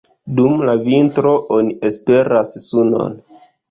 Dum la vintro oni esperas sunon.